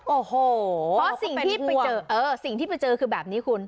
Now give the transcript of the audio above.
โอ้โหเขาเป็นว่างฮือสิ่งที่ไปเจอคือแบบนี้คุณ